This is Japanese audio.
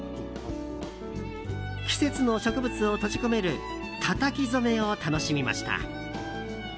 季節の植物を閉じ込めるたたき染めを楽しみました。